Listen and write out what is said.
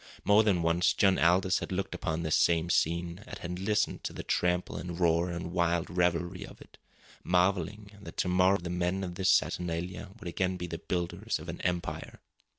More than once John Aldous had looked upon this same scene, and had listened to the trample and roar and wild revelry of it, marvelling that to morrow the men of this saturnalia would again be the builders of an empire.